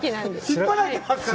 引っ張られてますから。